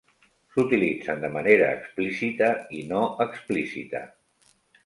S'utilitza de manera explícita i no explícita.